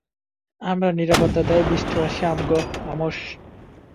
আমাকে নিরাপত্তা দেয়া, মিষ্টভাষী অ্যামোস।